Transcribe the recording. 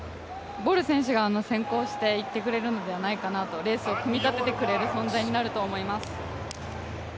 ボル選手が先行して行ってくれるのではないかなとレースを組み立ててくれる存在になると思います。